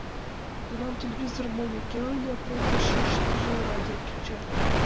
Тунам телевизор монь уке ыле, пырдыжыште радио кеча.